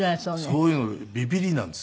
そういうのビビりなんですよ。